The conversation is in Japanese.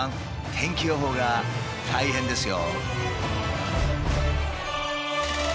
天気予報が大変ですよ。